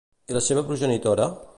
I la seva progenitora?